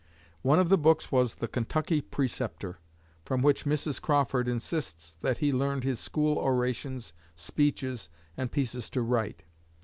One of the books was the 'Kentucky Preceptor,' from which Mrs. Crawford insists that he 'learned his school orations, speeches, and pieces to write.'